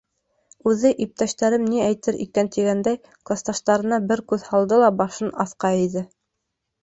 Үҙе, иптәштәрем ни әйтер икән тигәндәй, класташтарына бер күҙ һалды ла башын аҫҡа эйҙе.